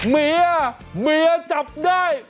เมียเมียจับได้